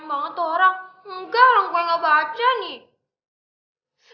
masker gue lupa bawa nih